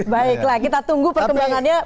baiklah kita tunggu perkembangannya